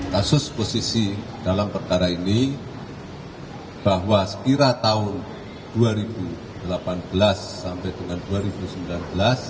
kasus posisi dalam perkara ini bahwa sekira tahun dua ribu delapan belas sampai dengan dua ribu sembilan belas